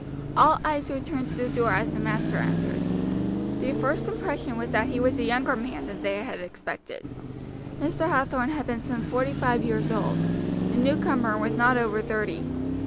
All eyes were turned to the door as the master entered. The first impression was that he was a younger man than they had expected. Mr. Hathorn had been some forty five years old; the newcomer was not over thirty.